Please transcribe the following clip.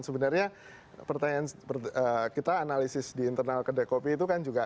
sebenarnya pertanyaan kita analisis di internal kedai kopi itu kan juga